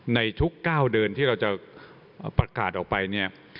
ในทุก๙เดือนที่เราจะประกาศออกไปเนี่ย